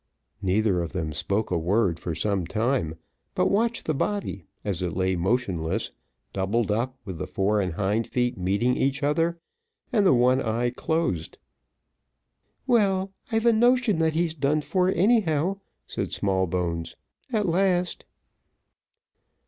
Neither of them spoke a word for some time, but watched the body, as it lay motionless, doubled up, with the fore and hind feet meeting each other, and the one eye closed. "Well, I've a notion that he is done for, anyhow," said Smallbones, "at last."